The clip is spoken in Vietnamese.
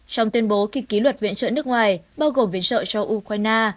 trong tuyên bố kịch ký luật viện trợ nước ngoài bao gồm viện trợ cho ukraine